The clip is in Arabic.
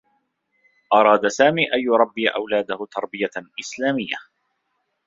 أراد سامي أن يربّي أولاده تربية إسلاميّة.